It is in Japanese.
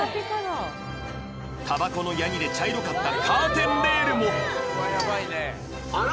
タバコのヤニで茶色かったカーテンレールもあら！